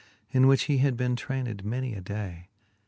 In which he had been trayncd many a day.